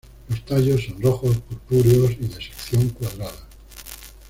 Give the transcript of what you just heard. Los tallos son rojo purpúreos y de sección cuadrada.